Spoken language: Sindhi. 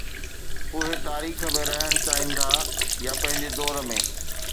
اهي تاريخ ۾ رهڻ چاهين ٿا يا پنهنجي دور ۾؟